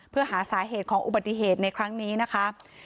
เพื่อหาสาเหตุของอุบัติเหตุในครั้งนี้นะคะ